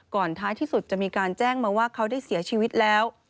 ท้ายที่สุดจะมีการแจ้งมาว่าเขาได้เสียชีวิตแล้ว